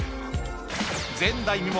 前代未聞！